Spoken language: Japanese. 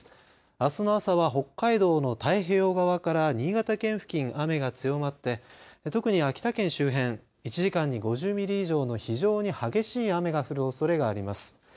あすの朝は北海道の太平洋側から新潟県付近、雨が強まって特に秋田県周辺１時間に５０ミリ以上の非常に激しい雨が降るおそれがあります。